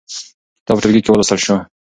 کتاب په ټولګي کې ولوستل شو.